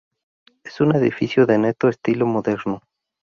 Es un edificio de neto estilo moderno.